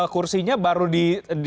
kursinya baru di